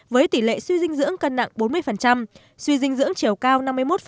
với tỷ lệ suy dinh dưỡng cân nặng bốn mươi suy dinh dưỡng chiều cao năm mươi một